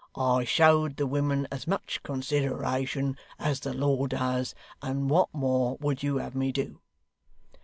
I showed the women as much consideration as the law does, and what more would you have me do?"